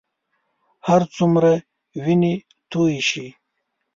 هرڅومره وینې تویې شي.